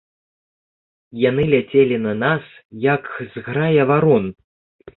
Яны ляцелі на нас, як зграя варон.